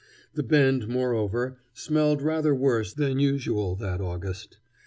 The Bend, moreover, smelled rather worse than usual that August.